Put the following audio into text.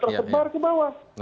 dan tersebar ke bawah